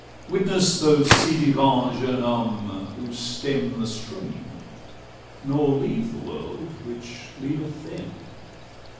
Witness those 'ci devant jeunes hommes' who stem The stream, nor leave the world which leaveth them.